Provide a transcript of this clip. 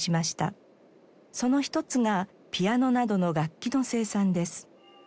その一つがピアノなどの楽器の生産です。